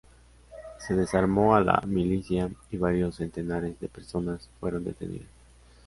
Se desarmó a la milicia y varios centenares de personas fueron detenidas.